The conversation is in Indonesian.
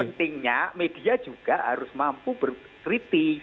jadi pentingnya media juga harus mampu berkritik